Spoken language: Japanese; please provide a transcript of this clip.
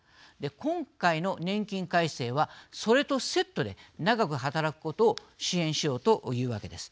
今回の年金改正はそれとセットで長く働くことを支援しようというわけです。